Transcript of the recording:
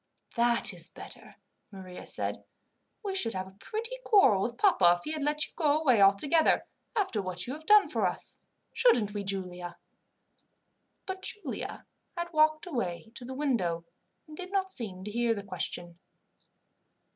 "That is better," Maria said. "We should have a pretty quarrel with papa if he had let you go away altogether, after what you have done for us "Shouldn't we, Giulia?" But Giulia had walked away to the window, and did not seem to hear the question.